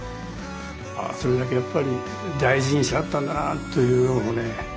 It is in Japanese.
それだけやっぱり大事にしはったんだなっというのをね